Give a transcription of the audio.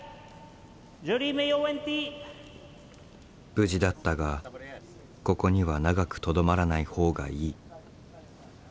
無事だったがここには長くとどまらない方がいい。